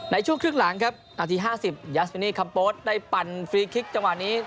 ในช่วงครึ่งหลังครับนาที๕๐ยาสมินีคัมโป๊ดได้ปั่นฟรีคลิกจังหวะนี้